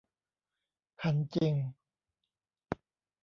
คันจริง